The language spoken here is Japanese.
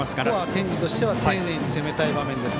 天理としては丁寧に攻めたい場面です。